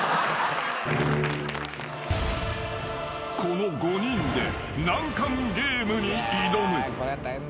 ［この５人で難関ゲームに挑む］